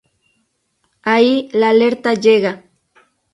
Ahí la alerta llega.